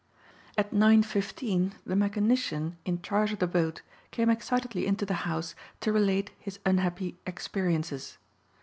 At nine fifteen the mechanician in charge of the boat came excitedly into the house to relate his unhappy experiences.